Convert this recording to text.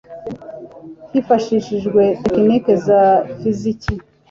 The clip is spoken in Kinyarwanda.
hifashishishijwe tekiniki za fiziki